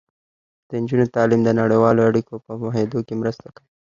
د نجونو تعلیم د نړیوالو اړیکو په پوهیدو کې مرسته کوي.